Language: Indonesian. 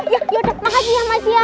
ya udah makasih ya mas